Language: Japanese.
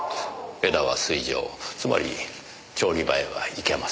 江田は炊場つまり調理場へは行けません。